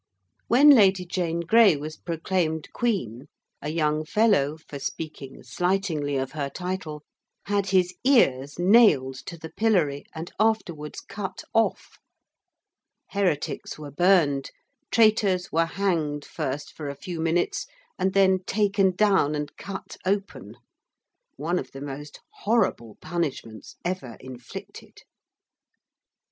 When Lady Jane Grey was proclaimed Queen a young fellow, for speaking slightingly of her title, had his ears nailed to the pillory and afterwards cut off, heretics were burned, traitors were hanged first for a few minutes and then taken down and cut open one of the most horrible punishments ever inflicted.